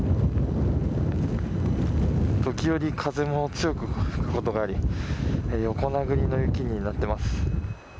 時折風も強く吹くことがあり横殴りの雪になっています。